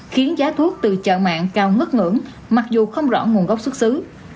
khiến giá thuốc từ chợ mạng cao ngất ngưỡng mặc dù không rõ nguồn gốc xuất xứ